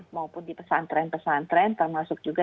maupun di pesantren pesantren termasuk juga